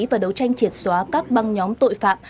và đấu tranh triệt xóa các băng nhóm tội phạm